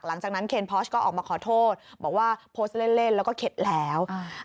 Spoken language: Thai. หลังจากนั้นเคนพอชก็ออกมาขอโทษบอกว่าโพสต์เล่นแล้วก็เข็ดแล้ว